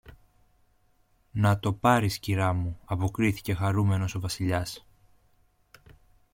Να το πάρεις, Κυρά μου, αποκρίθηκε χαρούμενος ο Βασιλιάς.